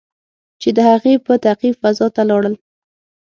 چې د هغې په تعقیب فضا ته لاړل.